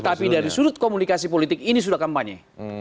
tapi dari sudut komunikasi politik ini sudah kampanye